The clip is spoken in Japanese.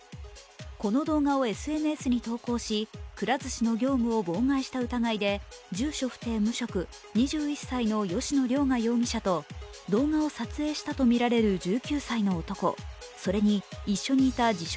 この動画をＳＮＳに投稿し、くら寿司の業務を妨害した疑いで住所不定・無職２１歳の吉野凌雅容疑者と動画を撮影したとみられる１９歳の男、それに一緒にいた自称・